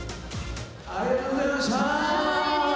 ありがとうございましたー！